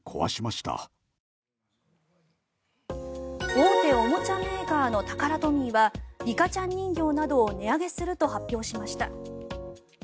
大手おもちゃメーカーのタカラトミーはリカちゃん人形などを値上げすると発表しました。